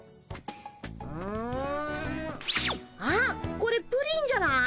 あっこれプリンじゃない？